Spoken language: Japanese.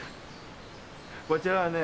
こちらはね